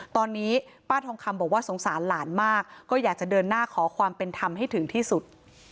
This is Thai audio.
ตอนนี้ป้าทองคำบอกว่าสงสารหลานมากก็อยากจะเดินหน้าขอความเป็นธรรมให้ถึงที่สุด